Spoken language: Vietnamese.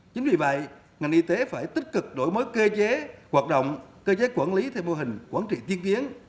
chính vì vậy ngành y tế phải tích cực đổi mới cơ chế hoạt động cơ chế quản lý theo mô hình quản trị tiên tiến